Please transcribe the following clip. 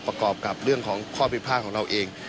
ประกอบกับเรื่องของข้อพิพาทของเราเอง